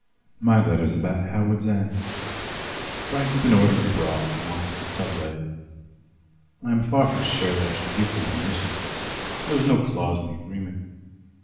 My letter's about Howards End. Bryce has been ordered abroad, and wants to sublet it. I am far from sure that I shall give him permission. There was no clause in the agreement.